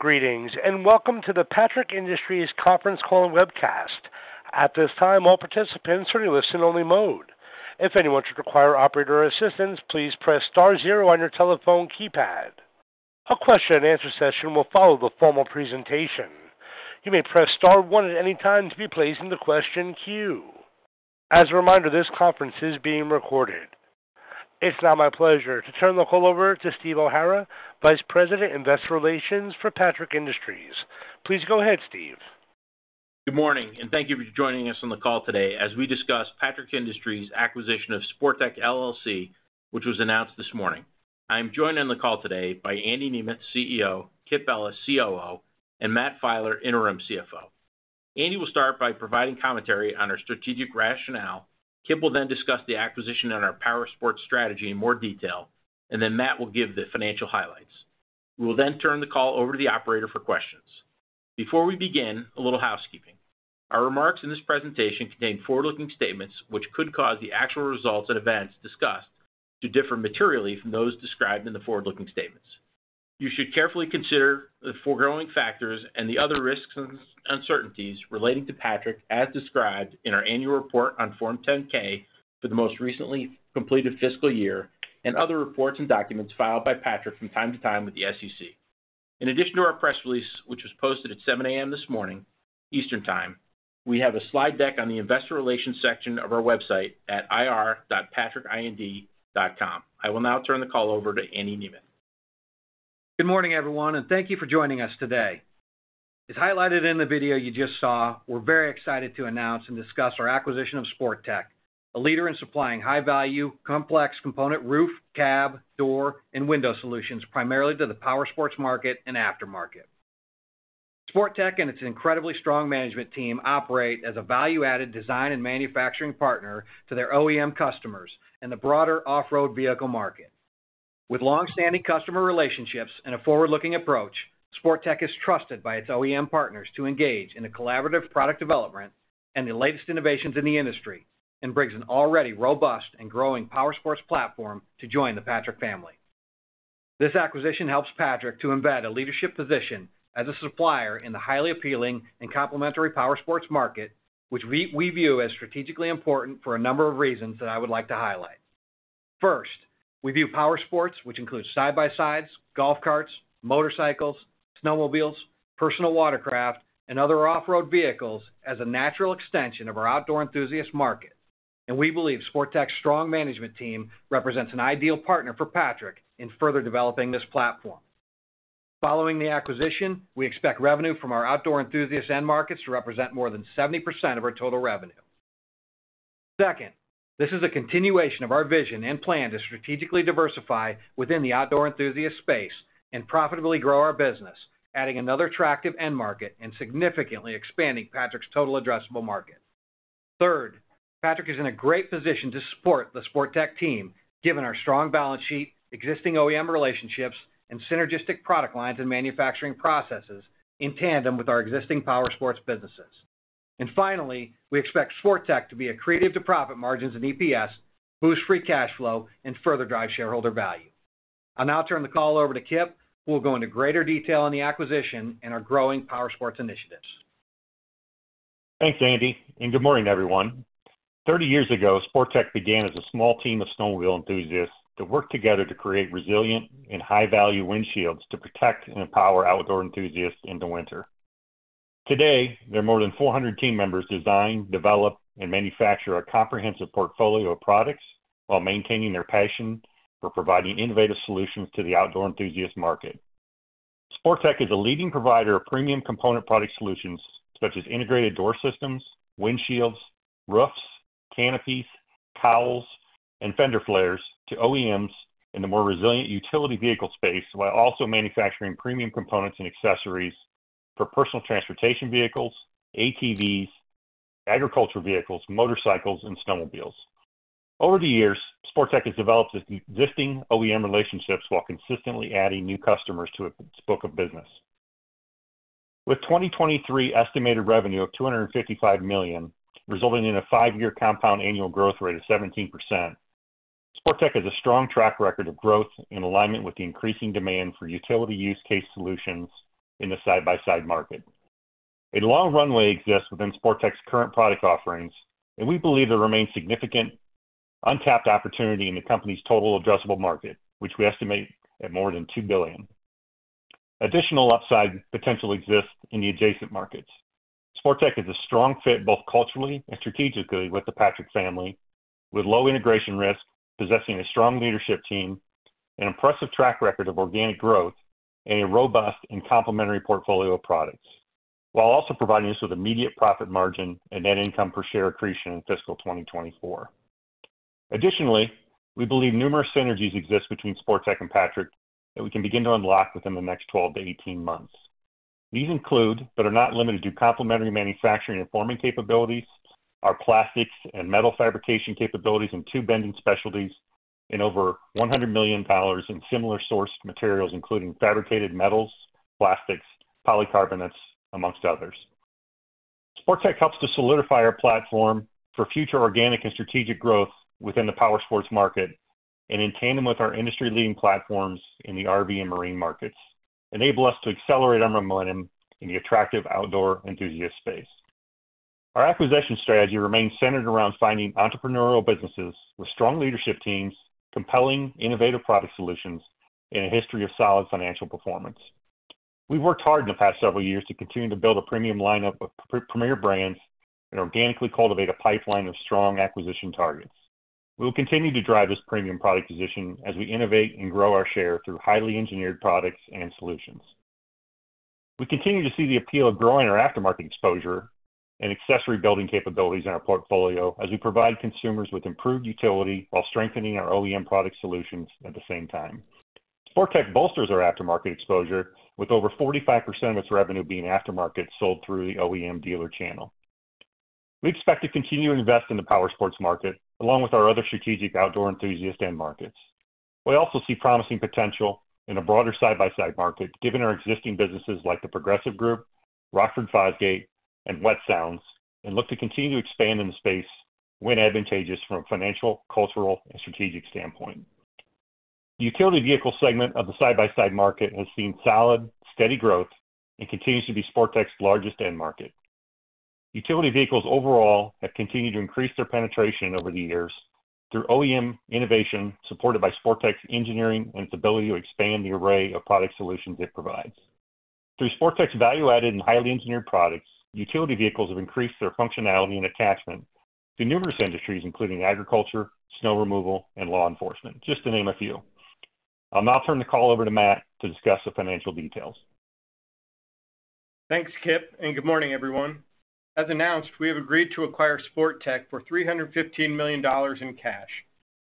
Greetings, and welcome to the Patrick Industries conference call and webcast. At this time, all participants are in listen-only mode. If anyone should require operator assistance, please press star zero on your telephone keypad. A question-and-answer session will follow the formal presentation. You may press star one at any time to be placed in the question queue. As a reminder, this conference is being recorded. It's now my pleasure to turn the call over to Steve O'Hara, Vice President, Investor Relations for Patrick Industries. Please go ahead, Steve. Good morning, and thank you for joining us on the call today as we discuss Patrick Industries' acquisition of Sportech, LLC, which was announced this morning. I'm joined on the call today by Andy Nemeth, CEO, Kip Ellis, COO, and Matt Filer, Interim CFO. Andy will start by providing commentary on our strategic rationale. Kip will then discuss the acquisition and our powersports strategy in more detail, and then Matt will give the financial highlights. We will then turn the call over to the operator for questions. Before we begin, a little housekeeping. Our remarks in this presentation contain forward-looking statements, which could cause the actual results and events discussed to differ materially from those described in the forward-looking statements. You should carefully consider the foregoing factors and the other risks and uncertainties relating to Patrick, as described in our annual report on Form 10-K for the most recently completed fiscal year and other reports and documents filed by Patrick from time to time with the SEC. In addition to our press release, which was posted at 7:00 A.M. this morning, Eastern Time, we have a slide deck on the investor relations section of our website at ir.patrickind.com. I will now turn the call over to Andy Nemeth. Good morning, everyone, and thank you for joining us today. As highlighted in the video you just saw, we're very excited to announce and discuss our acquisition of Sportech, a leader in supplying high-value, complex component roof, cab, door, and window solutions, primarily to the powersports market and aftermarket. Sportech and its incredibly strong management team operate as a value-added design and manufacturing partner to their OEM customers and the broader off-road vehicle market. With long-standing customer relationships and a forward-looking approach, Sportech is trusted by its OEM partners to engage in a collaborative product development and the latest innovations in the industry and brings an already robust and growing powersports platform to join the Patrick family. This acquisition helps Patrick to embed a leadership position as a supplier in the highly appealing and complementary powersports market, which we view as strategically important for a number of reasons that I would like to highlight. First, we view powersports, which includes side-by-sides, golf carts, motorcycles, snowmobiles, personal watercraft, and other off-road vehicles, as a natural extension of our outdoor enthusiast market, and we believe Sportech's strong management team represents an ideal partner for Patrick in further developing this platform. Following the acquisition, we expect revenue from our outdoor enthusiast end markets to represent more than 70% of our total revenue. Second, this is a continuation of our vision and plan to strategically diversify within the outdoor enthusiast space and profitably grow our business, adding another attractive end market and significantly expanding Patrick's total addressable market. Third, Patrick is in a great position to support the Sportech team, given our strong balance sheet, existing OEM relationships, and synergistic product lines and manufacturing processes in tandem with our existing powersports businesses. And finally, we expect Sportech to be accretive to profit margins and EPS, boost free cash flow, and further drive shareholder value. I'll now turn the call over to Kip, who will go into greater detail on the acquisition and our growing powersports initiatives. Thanks, Andy, and good morning, everyone. 30 years ago, Sportech began as a small team of snowmobile enthusiasts that worked together to create resilient and high-value windshields to protect and empower outdoor enthusiasts in the winter. Today, their more than 400 team members design, develop, and manufacture a comprehensive portfolio of products while maintaining their passion for providing innovative solutions to the outdoor enthusiast market. Sportech is a leading provider of premium component product solutions, such as integrated door systems, windshields, roofs, canopies, cowls, and fender flares to OEMs in the more resilient utility vehicle space, while also manufacturing premium components and accessories for personal transportation vehicles, ATVs, agriculture vehicles, motorcycles, and snowmobiles. Over the years, Sportech has developed its existing OEM relationships while consistently adding new customers to its book of business. With 2023 estimated revenue of $255 million, resulting in a 5-year compound annual growth rate of 17%, Sportech has a strong track record of growth in alignment with the increasing demand for utility use case solutions in the side-by-side market. A long runway exists within Sportech's current product offerings, and we believe there remains significant untapped opportunity in the company's total addressable market, which we estimate at more than $2 billion. Additional upside potential exists in the adjacent markets. Sportech is a strong fit, both culturally and strategically, with the Patrick family, with low integration risk, possessing a strong leadership team, an impressive track record of organic growth, and a robust and complementary portfolio of products, while also providing us with immediate profit margin and net income per share accretion in fiscal 2024. Additionally, we believe numerous synergies exist between Sportech and Patrick that we can begin to unlock within the next 12-18 months. These include, but are not limited to, complementary manufacturing and forming capabilities, our plastics and metal fabrication capabilities and tube bending specialties, and over $100 million in similar sourced materials, including fabricated metals, plastics, polycarbonates, among others.... Sportech helps to solidify our platform for future organic and strategic growth within the powersports market, and in tandem with our industry-leading platforms in the RV and marine markets, enable us to accelerate our momentum in the attractive outdoor enthusiast space. Our acquisition strategy remains centered around finding entrepreneurial businesses with strong leadership teams, compelling innovative product solutions, and a history of solid financial performance. We've worked hard in the past several years to continue to build a premium lineup of premier brands and organically cultivate a pipeline of strong acquisition targets. We will continue to drive this premium product position as we innovate and grow our share through highly engineered products and solutions. We continue to see the appeal of growing our aftermarket exposure and accessory building capabilities in our portfolio, as we provide consumers with improved utility while strengthening our OEM product solutions at the same time. Sportech bolsters our aftermarket exposure, with over 45% of its revenue being aftermarket, sold through the OEM dealer channel. We expect to continue to invest in the powersports market, along with our other strategic outdoor enthusiast end markets. We also see promising potential in a broader side-by-side market, given our existing businesses like the Progressive Group, Rockford Fosgate, and Wet Sounds, and look to continue to expand in the space when advantageous from a financial, cultural, and strategic standpoint. The utility vehicle segment of the side-by-side market has seen solid, steady growth and continues to be Sportech's largest end market. Utility vehicles overall have continued to increase their penetration over the years through OEM innovation, supported by Sportech's engineering and its ability to expand the array of product solutions it provides. Through Sportech's value-added and highly engineered products, utility vehicles have increased their functionality and attachment to numerous industries, including agriculture, snow removal, and law enforcement, just to name a few. I'll now turn the call over to Matt to discuss the financial details. Thanks, Kip, and good morning, everyone. As announced, we have agreed to acquire Sportech for $315 million in cash,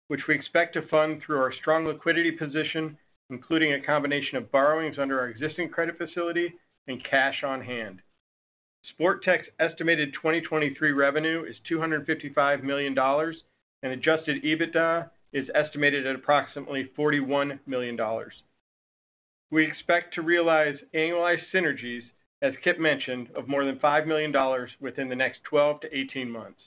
which we expect to fund through our strong liquidity position, including a combination of borrowings under our existing credit facility and cash on hand. Sportech's estimated 2023 revenue is $255 million, and adjusted EBITDA is estimated at approximately $41 million. We expect to realize annualized synergies, as Kip mentioned, of more than $5 million within the next 12-18 months.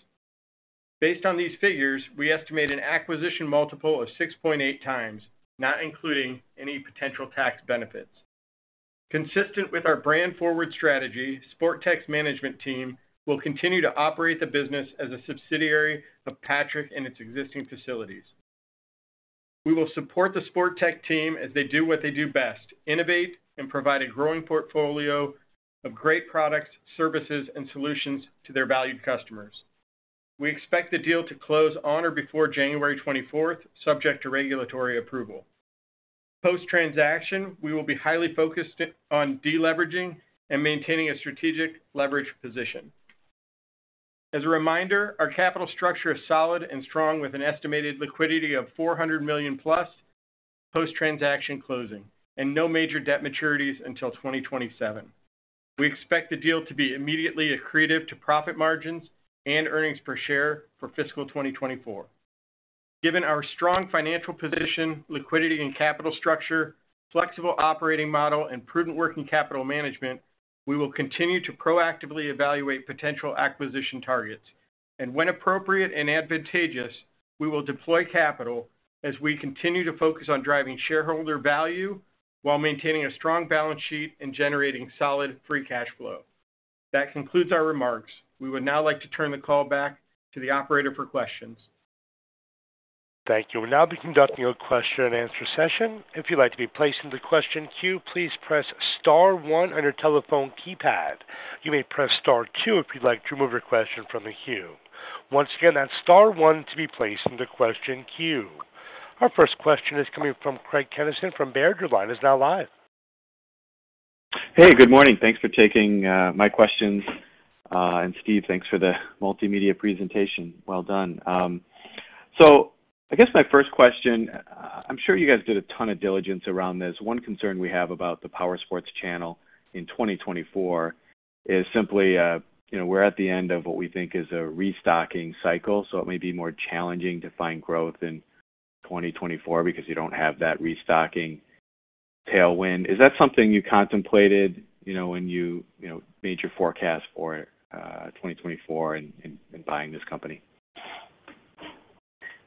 Based on these figures, we estimate an acquisition multiple of 6.8x, not including any potential tax benefits. Consistent with our brand-forward strategy, Sportech's management team will continue to operate the business as a subsidiary of Patrick and its existing facilities. We will support the Sportech team as they do what they do best, innovate and provide a growing portfolio of great products, services, and solutions to their valued customers. We expect the deal to close on or before January 24th, subject to regulatory approval. Post-transaction, we will be highly focused on deleveraging and maintaining a strategic leverage position. As a reminder, our capital structure is solid and strong, with an estimated liquidity of $400 million-plus post-transaction closing and no major debt maturities until 2027. We expect the deal to be immediately accretive to profit margins and earnings per share for fiscal 2024. Given our strong financial position, liquidity and capital structure, flexible operating model, and prudent working capital management, we will continue to proactively evaluate potential acquisition targets. When appropriate and advantageous, we will deploy capital as we continue to focus on driving shareholder value while maintaining a strong balance sheet and generating solid free cash flow. That concludes our remarks. We would now like to turn the call back to the operator for questions. Thank you. We'll now be conducting a question-and-answer session. If you'd like to be placed into the question queue, please press star one on your telephone keypad. You may press star two if you'd like to remove your question from the queue. Once again, that's star one to be placed into question queue. Our first question is coming from Craig Kennison from Baird. Your line is now live. Hey, good morning. Thanks for taking my questions. And Steve, thanks for the multimedia presentation. Well done. So I guess my first question, I'm sure you guys did a ton of diligence around this. One concern we have about the powersports channel in 2024 is simply, you know, we're at the end of what we think is a restocking cycle, so it may be more challenging to find growth in 2024 because you don't have that restocking tailwind. Is that something you contemplated, you know, when you made your forecast for 2024 and buying this company?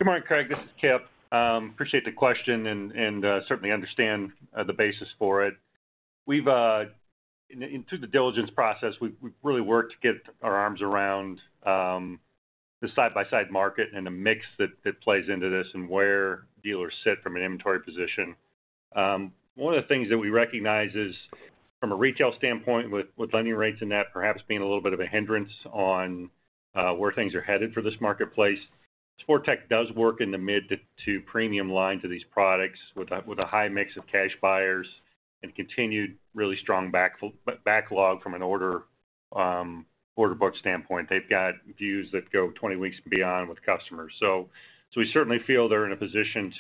Good morning, Craig. This is Kip. Appreciate the question and certainly understand the basis for it. We've in through the diligence process, we've really worked to get our arms around the side-by-side market and the mix that plays into this and where dealers sit from an inventory position. One of the things that we recognize is, from a retail standpoint, with lending rates and that perhaps being a little bit of a hindrance on where things are headed for this marketplace, Sportech does work in the mid-to-premium lines of these products, with a high mix of cash buyers and continued really strong backlog from an order book standpoint. They've got views that go 20 weeks and beyond with customers. So we certainly feel they're in a position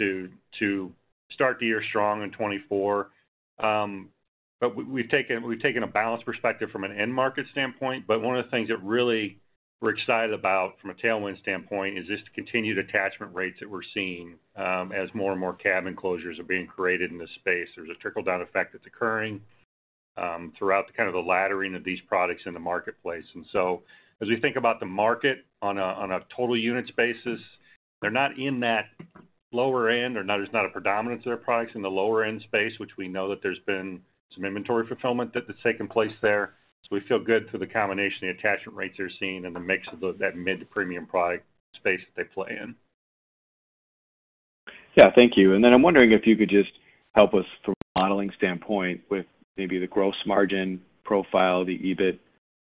to start the year strong in 2024. But we've taken a balanced perspective from an end-market standpoint. But one of the things we're excited about from a tailwind standpoint is just the continued attachment rates that we're seeing, as more and more cab enclosures are being created in this space. There's a trickle-down effect that's occurring throughout the kind of the laddering of these products in the marketplace. And so as we think about the market on a total units basis, they're not in that lower end; there's not a predominance of their products in the lower end space, which we know that there's been some inventory fulfillment that has taken place there. We feel good through the combination, the attachment rates they're seeing and the mix of that mid-to-premium product space that they play in. Yeah, thank you. And then I'm wondering if you could just help us from a modeling standpoint with maybe the gross margin profile, the EBIT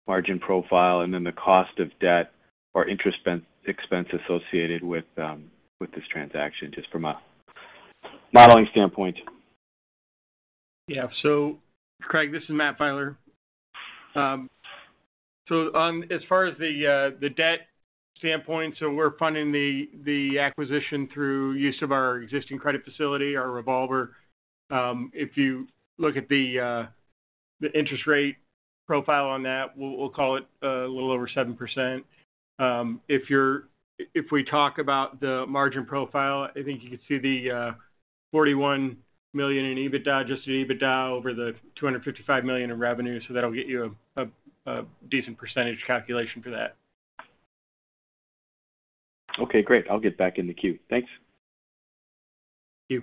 margin profile, and then the cost of debt or interest expense associated with this transaction, just from a modeling standpoint. Yeah. So Craig, this is Matt Filer. So on, as far as the debt standpoint, so we're funding the acquisition through use of our existing credit facility, our revolver. If you look at the interest rate profile on that, we'll call it a little over 7%. If we talk about the margin profile, I think you can see the $41 million in EBITDA, adjusted EBITDA over the $255 million in revenue, so that'll get you a decent percentage calculation for that. Okay, great. I'll get back in the queue. Thanks. Thank you.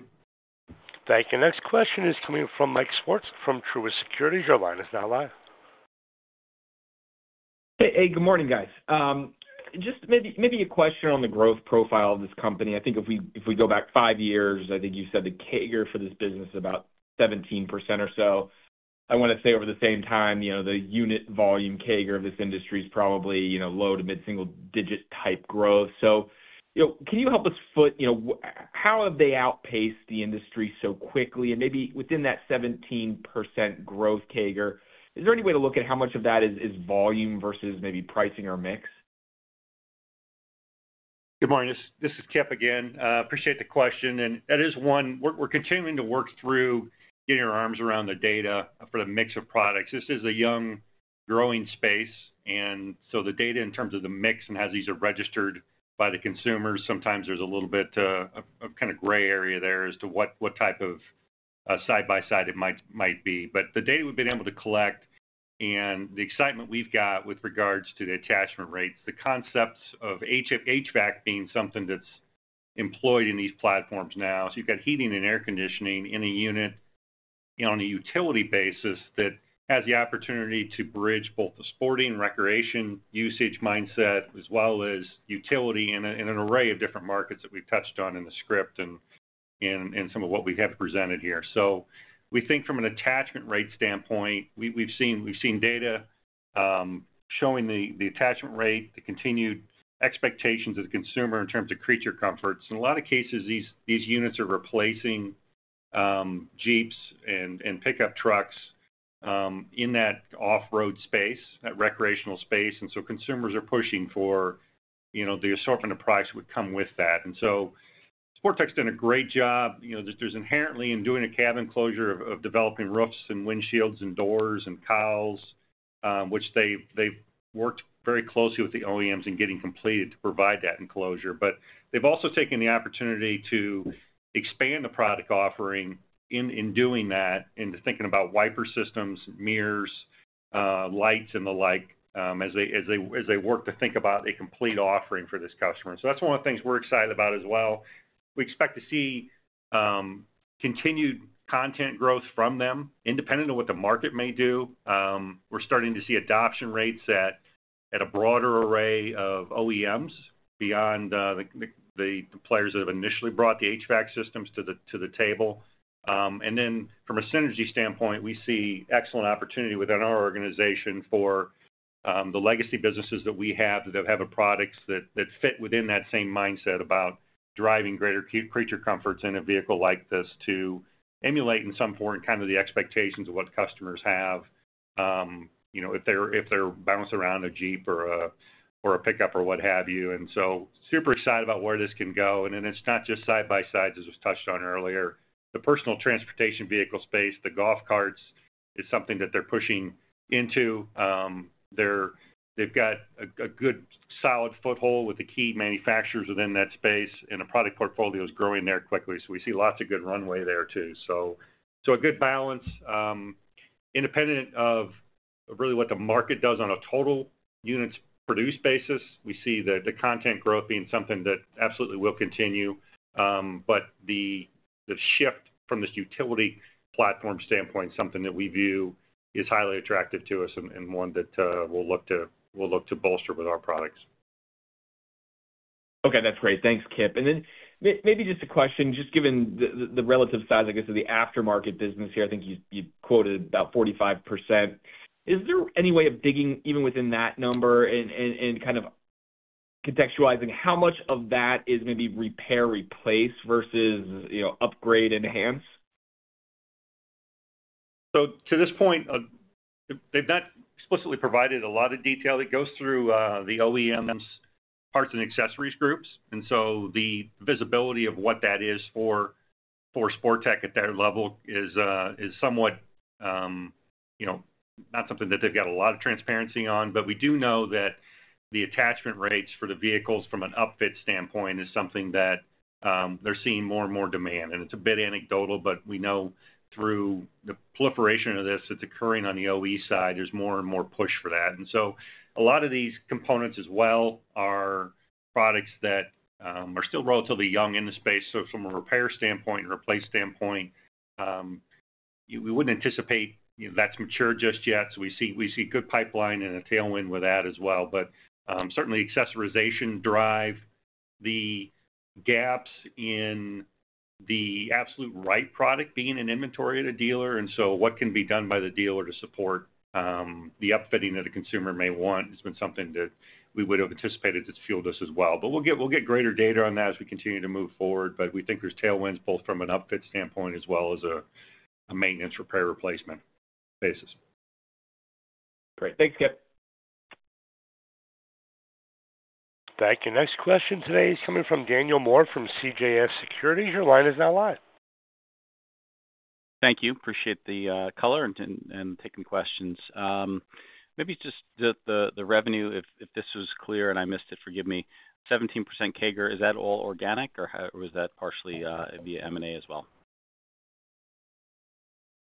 Thank you. Next question is coming from Mike Swartz, from Truist Securities. Your line is now live. Hey, good morning, guys. Just maybe, maybe a question on the growth profile of this company. I think if we, if we go back 5 years, I think you said the CAGR for this business is about 17% or so. I want to say over the same time, you know, the unit volume CAGR of this industry is probably, you know, low to mid single digit type growth. So, you know, can you help us foot, you know, w- how have they outpaced the industry so quickly? And maybe within that 17% growth CAGR, is there any way to look at how much of that is, is volume versus maybe pricing or mix? Good morning, this is Kip again. Appreciate the question, and that is one we're continuing to work through getting our arms around the data for the mix of products. This is a young, growing space, and so the data in terms of the mix and as these are registered by the consumers, sometimes there's a little bit of kind of gray area there as to what type of a side-by-side it might be. But the data we've been able to collect and the excitement we've got with regards to the attachment rates, the concepts of HVAC being something that's employed in these platforms now. So you've got heating and air conditioning in a unit on a utility basis that has the opportunity to bridge both the sporting and recreation usage mindset, as well as utility in an array of different markets that we've touched on in the script and some of what we have presented here. So we think from an attachment rate standpoint, we've seen data showing the attachment rate, the continued expectations of the consumer in terms of creature comforts. In a lot of cases, these units are replacing Jeeps and pickup trucks in that off-road space, that recreational space, and so consumers are pushing for, you know, the assortment of products would come with that. And so Sportech's done a great job. You know, just there's inherently in doing a cabin closure of developing roofs and windshields and doors and cowls, which they've worked very closely with the OEMs in getting completed to provide that enclosure. But they've also taken the opportunity to expand the product offering in doing that, into thinking about wiper systems, mirrors, lights, and the like, as they work to think about a complete offering for this customer. So that's one of the things we're excited about as well. We expect to see continued content growth from them, independent of what the market may do. We're starting to see adoption rates at a broader array of OEMs beyond the players that have initially brought the HVAC systems to the table. And then from a synergy standpoint, we see excellent opportunity within our organization for the legacy businesses that we have, that have a products that fit within that same mindset about driving greater creature comforts in a vehicle like this to emulate, in some form, kind of the expectations of what customers have, you know, if they're bouncing around a Jeep or a pickup or what have you. And so super excited about where this can go. And then it's not just side-by-sides, as was touched on earlier. The personal transportation vehicle space, the golf carts, is something that they're pushing into. They've got a good, solid foothold with the key manufacturers within that space, and the product portfolio is growing there quickly, so we see lots of good runway there, too. So, a good balance, independent of really what the market does on a total units produced basis. We see the content growth being something that absolutely will continue, but the shift from this utility platform standpoint, something that we view is highly attractive to us and one that we'll look to bolster with our products. Okay, that's great. Thanks, Kip. And then maybe just a question, just given the relative size, I guess, of the aftermarket business here. I think you quoted about 45%. Is there any way of digging even within that number and kind of contextualizing how much of that is maybe repair, replace versus, you know, upgrade, enhance? So to this point, they've not explicitly provided a lot of detail. It goes through the OEMs parts and accessories groups. And so the visibility of what that is for Sportech at their level is somewhat, you know, not something that they've got a lot of transparency on. But we do know that the attachment rates for the vehicles from an upfit standpoint is something that they're seeing more and more demand. And it's a bit anecdotal, but we know through the proliferation of this that's occurring on the OE side, there's more and more push for that. And so a lot of these components as well are products that are still relatively young in the space. So from a repair standpoint, replace standpoint, we wouldn't anticipate, you know, that's mature just yet. So we see, we see good pipeline and a tailwind with that as well. But certainly accessorization drive the gaps in the absolute right product being in inventory at a dealer. And so what can be done by the dealer to support the upfitting that a consumer may want has been something that we would have anticipated to fuel this as well. But we'll get, we'll get greater data on that as we continue to move forward. But we think there's tailwinds, both from an upfit standpoint as well as a maintenance, repair, replacement basis. Great. Thanks, Kip. Thank you. Next question today is coming from Daniel Moore, from CJS Securities. Your line is now live. Thank you. Appreciate the color and taking questions. Maybe just the revenue, if this was clear and I missed it, forgive me. 17% CAGR, is that all organic, or how was that partially via M&A as well?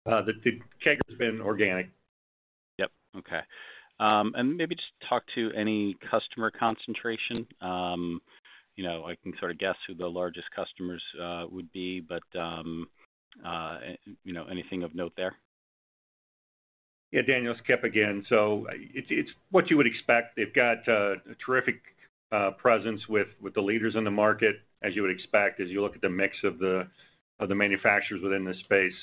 The CAGR has been organic. Yep. Okay. And maybe just talk to any customer concentration. You know, I can sort of guess who the largest customers would be, but you know, anything of note there? Yeah, Daniel, it's Kip again. So it's what you would expect. They've got a terrific presence with the leaders in the market, as you would expect, as you look at the mix of the manufacturers within this space.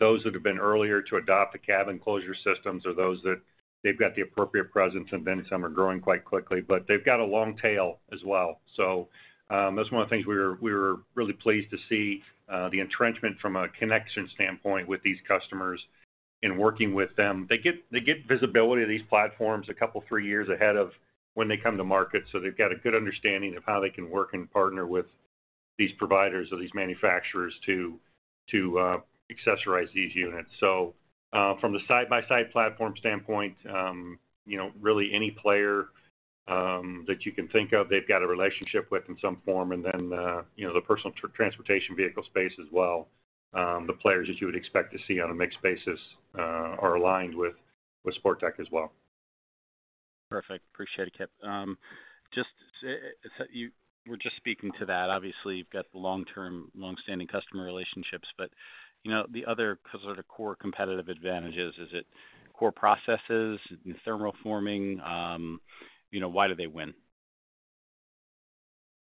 Those that have been earlier to adopt the cabin closure systems are those that they've got the appropriate presence, and then some are growing quite quickly. But they've got a long tail as well. So that's one of the things we were really pleased to see the entrenchment from a connection standpoint with these customers and working with them. They get visibility of these platforms a couple, 3 years ahead of when they come to market. So they've got a good understanding of how they can work and partner with these providers or these manufacturers to accessorize these units. So, from the side-by-side platform standpoint, you know, really any player that you can think of, they've got a relationship with in some form. And then, you know, the personal transportation vehicle space as well, the players that you would expect to see on a mixed basis are aligned with Sportech as well. Perfect. Appreciate it, Kip. Just, we're just speaking to that. Obviously, you've got the long-term, long-standing customer relationships, but, you know, the other sort of core competitive advantages, is it core processes, thermoforming? You know, why do they win?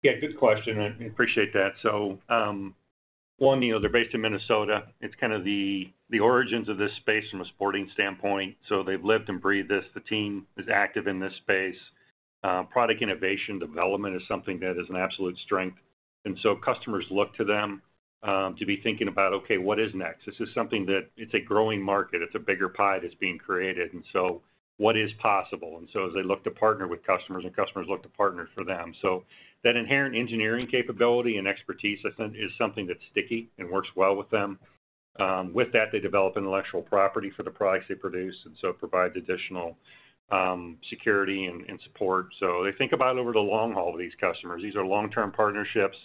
Yeah, good question. I appreciate that. So, one, you know, they're based in Minnesota. It's kind of the origins of this space from a sporting standpoint, so they've lived and breathed this. The team is active in this space. Product innovation development is something that is an absolute strength, and so customers look to them to be thinking about, okay, what is next? This is something that it's a growing market. It's a bigger pie that's being created, and so what is possible? And so as they look to partner with customers, and customers look to partner for them. So that inherent engineering capability and expertise, I think, is something that's sticky and works well with them. With that, they develop intellectual property for the products they produce, and so provide additional security and support. So they think about over the long haul with these customers. These are long-term partnerships,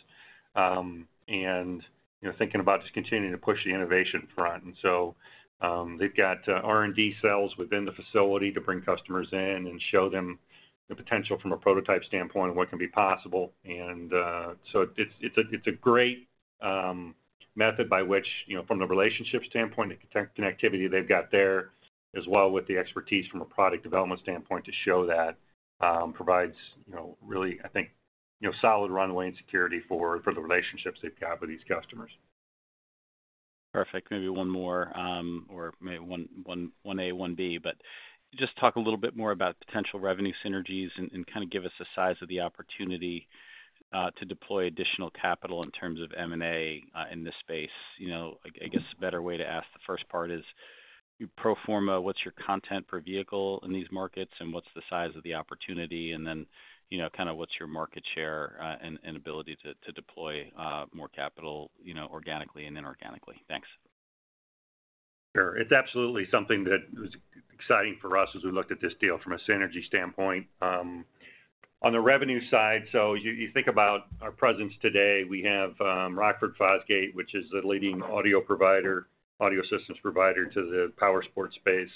and, you know, thinking about just continuing to push the innovation front. And so, they've got R&D cells within the facility to bring customers in and show them the potential from a prototype standpoint of what can be possible. And, so it's, it's a great method by which, you know, from the relationship standpoint, the connectivity they've got there, as well as with the expertise from a product development standpoint to show that provides, you know, really, I think, you know, solid runway and security for the relationships they've got with these customers. Perfect. Maybe one more, or maybe one A, one B, but just talk a little bit more about potential revenue synergies and kind of give us the size of the opportunity to deploy additional capital in terms of M&A in this space. You know, I guess a better way to ask the first part is, pro forma, what's your content per vehicle in these markets, and what's the size of the opportunity? And then, you know, kind of what's your market share and ability to deploy more capital, you know, organically and inorganically? Thanks. Sure. It's absolutely something that was exciting for us as we looked at this deal from a synergy standpoint. On the revenue side, so you, you think about our presence today, we have, Rockford Fosgate, which is the leading audio provider, audio systems provider to the powersports space,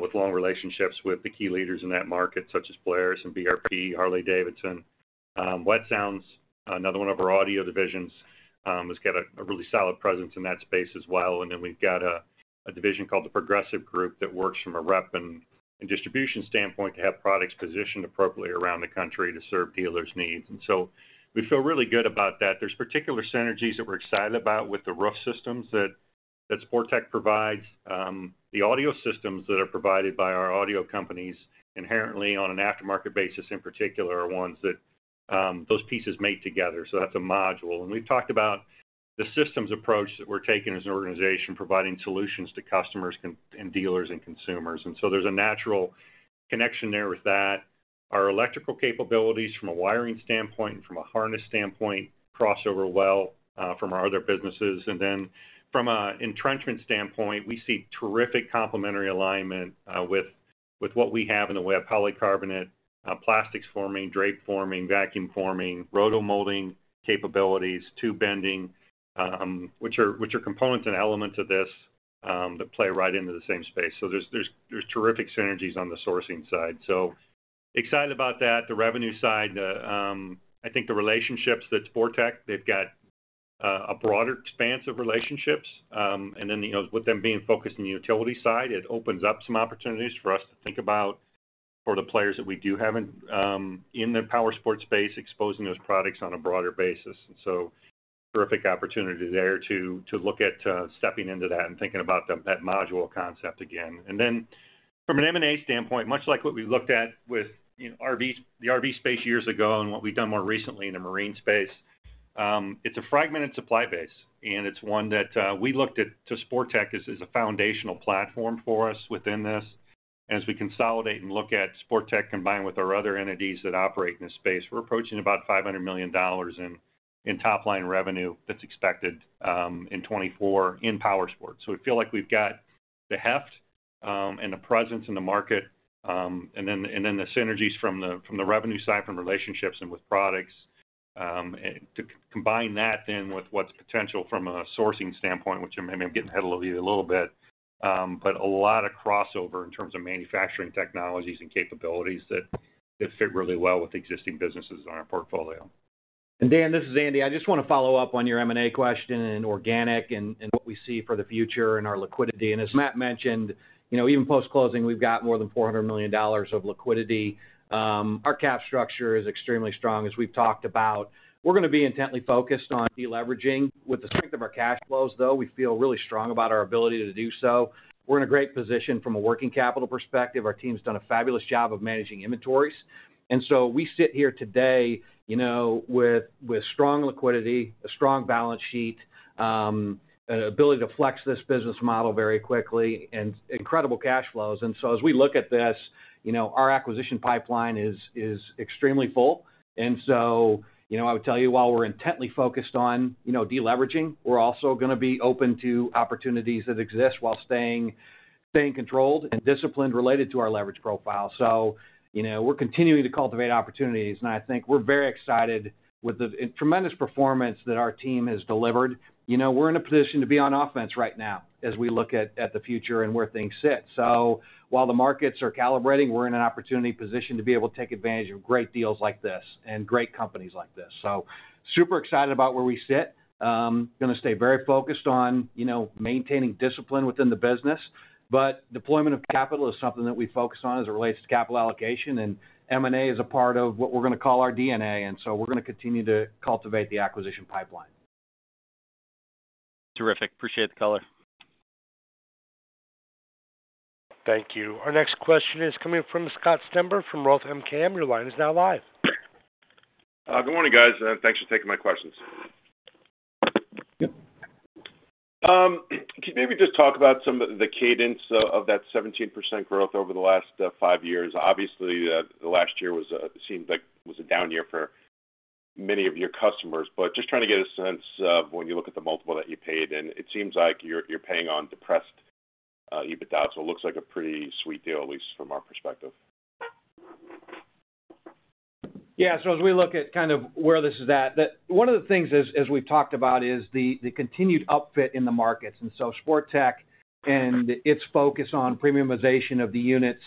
with long relationships with the key leaders in that market, such as Polaris and BRP, Harley-Davidson. Wet Sounds, another one of our audio divisions, has got a, a really solid presence in that space as well. And then we've got a, a division called the Progressive Group that works from a rep and, and distribution standpoint to have products positioned appropriately around the country to serve dealers' needs. And so we feel really good about that. There's particular synergies that we're excited about with the roof systems that, that Sportech provides. The audio systems that are provided by our audio companies, inherently on an aftermarket basis in particular, are ones that those pieces mate together, so that's a module. We've talked about the systems approach that we're taking as an organization, providing solutions to customers and dealers and consumers. So there's a natural connection there with that. Our electrical capabilities from a wiring standpoint and from a harness standpoint cross over well from our other businesses. Then from an entrenchment standpoint, we see terrific complementary alignment with what we have in the way of polycarbonate plastics forming, drape forming, vacuum forming, roto-molding capabilities, tube bending, which are components and elements of this that play right into the same space. So there's terrific synergies on the sourcing side. So excited about that. The revenue side, I think the relationships that Sportech they've got a broader expanse of relationships. And then, you know, with them being focused on the utility side, it opens up some opportunities for us to think about for the players that we do have in the powersports space, exposing those products on a broader basis. And so terrific opportunity there to look at stepping into that and thinking about that module concept again. And then from an M&A standpoint, much like what we looked at with, you know, RV, the RV space years ago and what we've done more recently in the marine space, it's a fragmented supply base, and it's one that we looked at to Sportech as a foundational platform for us within this. As we consolidate and look at Sportech, combined with our other entities that operate in this space, we're approaching about $500 million in top-line revenue that's expected in 2024 in powersports. So we feel like we've got the heft and the presence in the market, and then the synergies from the revenue side, from relationships and with products. And to combine that then with what's potential from a sourcing standpoint, which I may be getting ahead of you a little bit, but a lot of crossover in terms of manufacturing technologies and capabilities that fit really well with the existing businesses on our portfolio. Dan, this is Andy. I just want to follow up on your M&A question and organic and what we see for the future and our liquidity. As Matt mentioned, you know, even post-closing, we've got more than $400 million of liquidity. Our capital structure is extremely strong, as we've talked about. We're going to be intently focused on deleveraging. With the strength of our cash flows, though, we feel really strong about our ability to do so. We're in a great position from a working capital perspective. Our team's done a fabulous job of managing inventories. So we sit here today, you know, with strong liquidity, a strong balance sheet, an ability to flex this business model very quickly, and incredible cash flows. So as we look at this, you know, our acquisition pipeline is extremely full. And so, you know, I would tell you, while we're intently focused on, you know, deleveraging, we're also going to be open to opportunities that exist while staying controlled and disciplined related to our leverage profile. So, you know, we're continuing to cultivate opportunities, and I think we're very excited with the tremendous performance that our team has delivered. You know, we're in a position to be on offense right now as we look at the future and where things sit. So while the markets are calibrating, we're in an opportunity position to be able to take advantage of great deals like this and great companies like this. So super excited about where we sit. Going to stay very focused on, you know, maintaining discipline within the business. Deployment of capital is something that we focus on as it relates to capital allocation, and M&A is a part of what we're going to call our DNA, and so we're going to continue to cultivate the acquisition pipeline. Terrific. Appreciate the color. Thank you. Our next question is coming from Scott Stember from Roth MKM. Your line is now live. Good morning, guys, thanks for taking my questions. Could you maybe just talk about some of the cadence of, of that 17% growth over the last, five-years? Obviously, the last year was, seems like was a down year for many of your customers, but just trying to get a sense of when you look at the multiple that you paid, and it seems like you're, you're paying on depressed, EBITDA, so it looks like a pretty sweet deal, at least from our perspective. Yeah. So as we look at kind of where this is at, one of the things as we've talked about is the continued upfit in the markets. And so Sportech and its focus on premiumization of the units,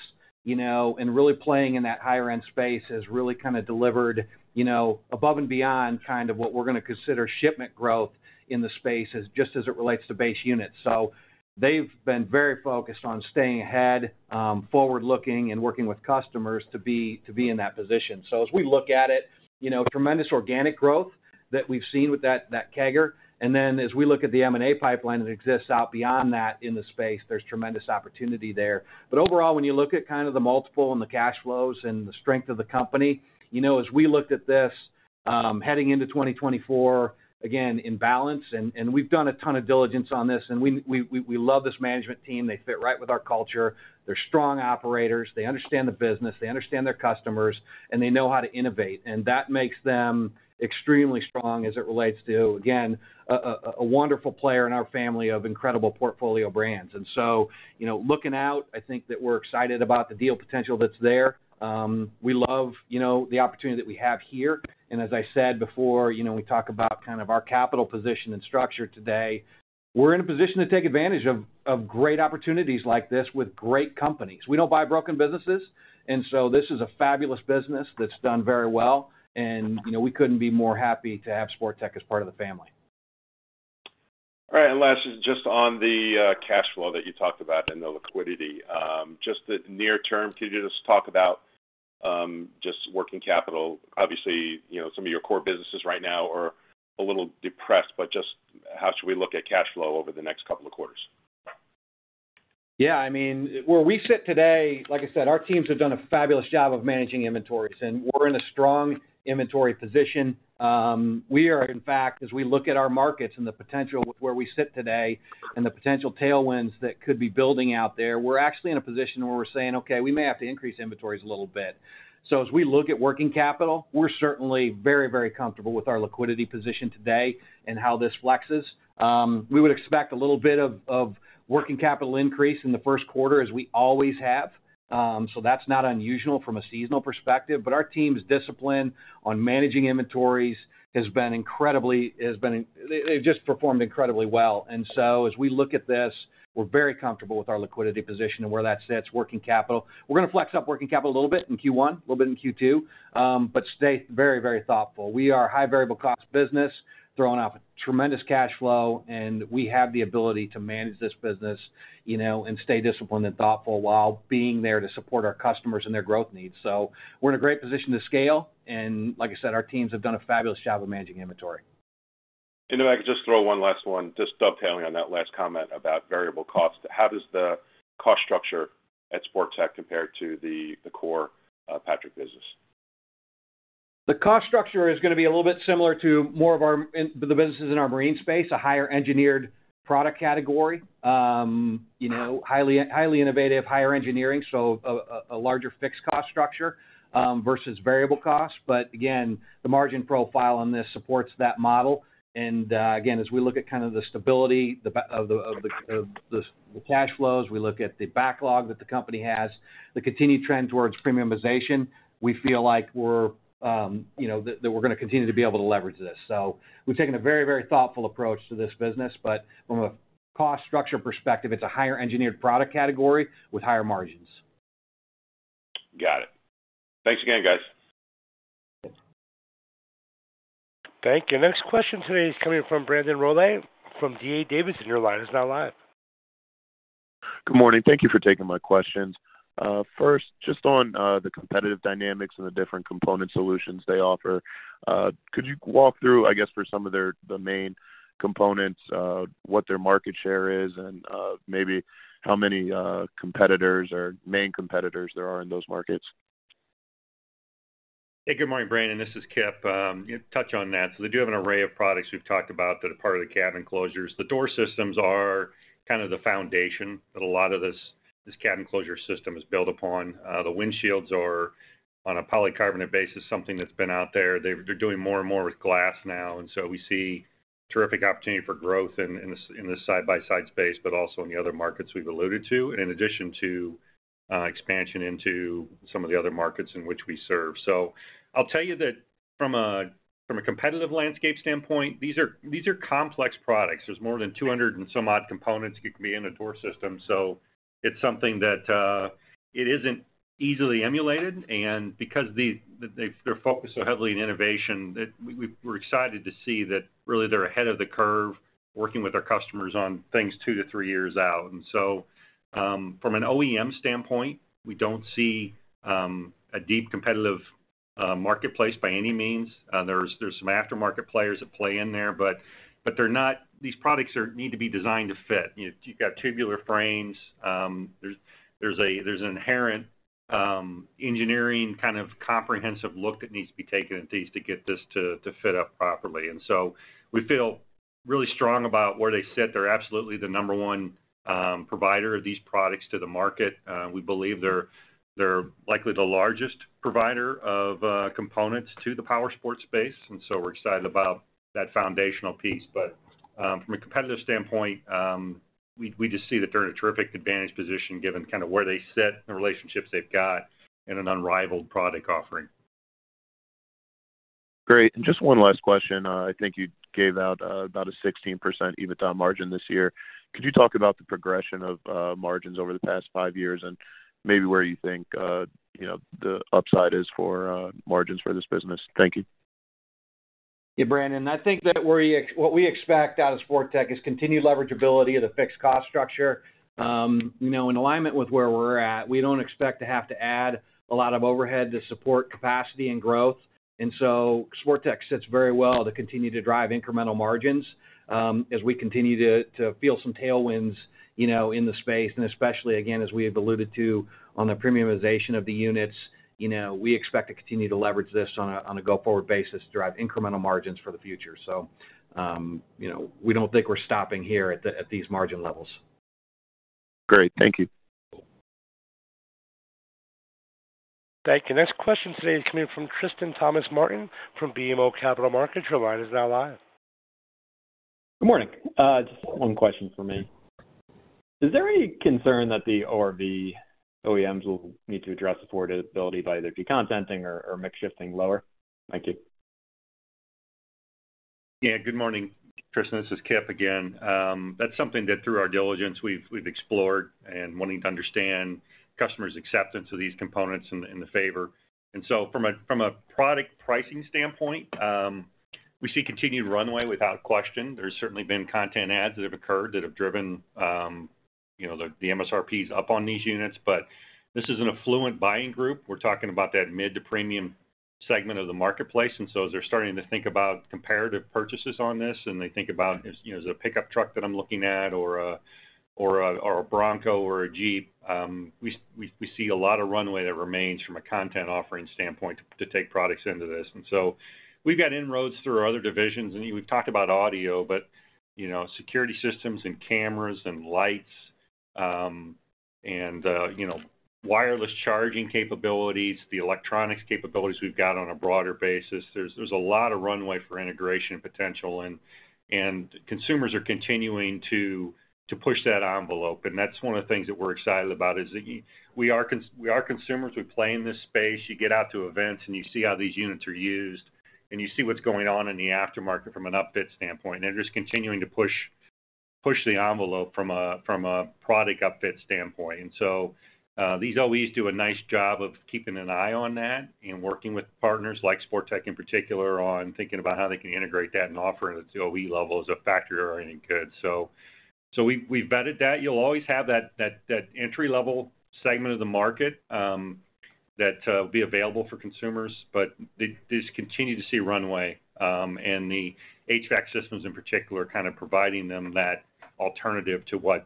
you know, and really playing in that higher-end space, has really kind of delivered, you know, above and beyond kind of what we're going to consider shipment growth in the space as just as it relates to base units. So they've been very focused on staying ahead, forward-looking and working with customers to be in that position. So as we look at it, you know, tremendous organic growth that we've seen with that CAGR, and then as we look at the M&A pipeline that exists out beyond that in the space, there's tremendous opportunity there. But overall, when you look at kind of the multiple and the cash flows and the strength of the company, you know, as we looked at this, heading into 2024, again, in balance, and we've done a ton of diligence on this, and we love this management team. They fit right with our culture. They're strong operators. They understand the business, they understand their customers, and they know how to innovate. And that makes them extremely strong as it relates to, again, a wonderful player in our family of incredible portfolio brands. And so, you know, looking out, I think that we're excited about the deal potential that's there. We love, you know, the opportunity that we have here. As I said before, you know, when we talk about kind of our capital position and structure today, we're in a position to take advantage of great opportunities like this with great companies. We don't buy broken businesses, and so this is a fabulous business that's done very well, and, you know, we couldn't be more happy to have Sportech as part of the family. All right. And last, just on the cash flow that you talked about and the liquidity. Just the near term, could you just talk about just working capital? Obviously, you know, some of your core businesses right now are a little depressed, but just how should we look at cash flow over the next couple of quarters?... Yeah, I mean, where we sit today, like I said, our teams have done a fabulous job of managing inventories, and we're in a strong inventory position. We are, in fact, as we look at our markets and the potential with where we sit today and the potential tailwinds that could be building out there, we're actually in a position where we're saying, "Okay, we may have to increase inventories a little bit." So as we look at working capital, we're certainly very, very comfortable with our liquidity position today and how this flexes. We would expect a little bit of working capital increase in the first quarter, as we always have. So that's not unusual from a seasonal perspective. But our team's discipline on managing inventories has been incredibly. They've just performed incredibly well. So as we look at this, we're very comfortable with our liquidity position and where that sits, working capital. We're going to flex up working capital a little bit in Q1, a little bit in Q2, but stay very, very thoughtful. We are a high variable cost business, throwing off tremendous cash flow, and we have the ability to manage this business, you know, and stay disciplined and thoughtful while being there to support our customers and their growth needs. So we're in a great position to scale, and like I said, our teams have done a fabulous job of managing inventory. And if I could just throw one last one, just dovetailing on that last comment about variable costs. How does the cost structure at Sportech compare to the core Patrick business? The cost structure is going to be a little bit similar to more of our... in the businesses in our marine space, a higher engineered product category. You know, highly, highly innovative, higher engineering, so a larger fixed cost structure versus variable costs. But again, the margin profile on this supports that model. And again, as we look at kind of the stability of the cash flows, we look at the backlog that the company has, the continued trend towards premiumization, we feel like we're, you know, that we're going to continue to be able to leverage this. So we've taken a very, very thoughtful approach to this business, but from a cost structure perspective, it's a higher engineered product category with higher margins. Got it. Thanks again, guys. Thank you. Next question today is coming from Brandon Rolle from D.A. Davidson. Your line is now live. Good morning. Thank you for taking my questions. First, just on the competitive dynamics and the different component solutions they offer, could you walk through, I guess, for some of their, the main components, what their market share is and maybe how many competitors or main competitors there are in those markets? Hey, good morning, Brandon. This is Kip. Touch on that. So they do have an array of products we've talked about that are part of the cab enclosures. The door systems are kind of the foundation that a lot of this, this cab enclosure system is built upon. The windshields are on a polycarbonate basis, something that's been out there. They're doing more and more with glass now, and so we see terrific opportunity for growth in, in this, in this side-by-side space, but also in the other markets we've alluded to, in addition to, expansion into some of the other markets in which we serve. So I'll tell you that from a, from a competitive landscape standpoint, these are, these are complex products. There's more than 200 and some odd components could be in a door system. So it's something that it isn't easily emulated. Because they're focused so heavily in innovation, that we're excited to see that really they're ahead of the curve, working with our customers on things 2-3 years out. So from an OEM standpoint, we don't see a deep competitive marketplace by any means. There's some aftermarket players that play in there, but they're not. These products need to be designed to fit. You know, you've got tubular frames. There's an inherent engineering kind of comprehensive look that needs to be taken at these to get this to fit up properly. So we feel really strong about where they sit. They're absolutely the number one provider of these products to the market. We believe they're likely the largest provider of components to the powersports space, and so we're excited about that foundational piece. But, from a competitive standpoint, we just see that they're in a terrific advantage position given kind of where they sit, the relationships they've got, and an unrivaled product offering. Great. Just one last question. I think you gave out about a 16% EBITDA margin this year. Could you talk about the progression of margins over the past five-years and maybe where you think you know the upside is for margins for this business? Thank you. Yeah, Brandon, I think that what we expect out of Sportech is continued leverageability of the fixed cost structure. You know, in alignment with where we're at, we don't expect to have to add a lot of overhead to support capacity and growth. And so Sportech sits very well to continue to drive incremental margins, as we continue to feel some tailwinds, you know, in the space, and especially, again, as we have alluded to on the premiumization of the units. You know, we expect to continue to leverage this on a go-forward basis to drive incremental margins for the future. So, you know, we don't think we're stopping here at these margin levels. Great. Thank you. Thank you. Next question today is coming from Tristan Thomas-Martin from BMO Capital Markets. Your line is now live. Good morning. Just one question for me. Is there any concern that the ORV OEMs will need to address affordability by either decontenting or mix shifting lower? Thank you. Yeah. Good morning, Tristan. This is Kip again. That's something that through our diligence, we've explored and wanting to understand customers' acceptance of these components in the favor. And so from a product pricing standpoint, we see continued runway without question. There's certainly been content ads that have occurred that have driven, you know, the MSRPs up on these units, but this is an affluent buying group. We're talking about that mid-to-premium segment of the marketplace, and so as they're starting to think about comparative purchases on this, and they think about, you know, is it a pickup truck that I'm looking at, or a Bronco or a Jeep, we see a lot of runway that remains from a content offering standpoint to take products into this. And so we've got inroads through our other divisions, and we've talked about audio, but, you know, security systems and cameras and lights, and, you know, wireless charging capabilities, the electronics capabilities we've got on a broader basis. There's a lot of runway for integration potential, and consumers are continuing to push that envelope, and that's one of the things that we're excited about, is that we are consumers. We play in this space. You get out to events, and you see how these units are used, and you see what's going on in the aftermarket from an upfit standpoint, and they're just continuing to push the envelope from a product upfit standpoint. These OEMs do a nice job of keeping an eye on that and working with partners like Sportech in particular, on thinking about how they can integrate that and offer it at the OEM level as a factory-orienting good. We've vetted that. You'll always have that entry-level segment of the market that will be available for consumers, but this continues to see runway, and the HVAC systems in particular, kind of providing them that alternative to what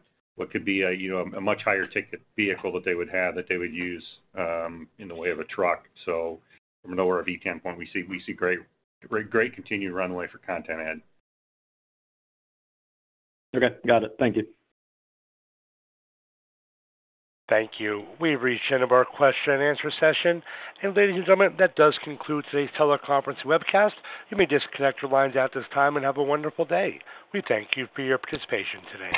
could be a, you know, a much higher ticket vehicle that they would have, that they would use, in the way of a truck. So from an ORV standpoint, we see great continued runway for content add. Okay. Got it. Thank you. Thank you. We've reached the end of our question and answer session. Ladies and gentlemen, that does conclude today's teleconference webcast. You may disconnect your lines at this time and have a wonderful day. We thank you for your participation today.